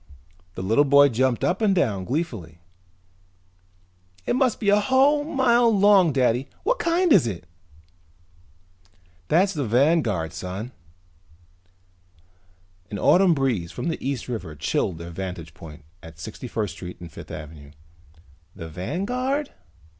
The little boy jumped up and down gleefully. "It must be a whole mile long, Daddy! What kind is it?" "That's the Vanguard, son." An autumn breeze from the East River chilled their vantage point at Sixty First Street and Fifth Avenue. "The Vanguard?"